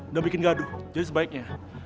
udah bikin gaduh jadi sebaiknya